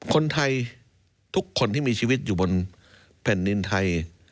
คนไทยทุกคนที่มีชีวิตอยู่บนแผ่นดินไทย